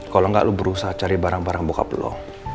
kalo enggak lo berusaha cari barang barang bokap lo